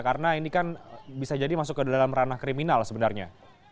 karena ini kan bisa jadi masuk ke dalam ranah kriminal sebenarnya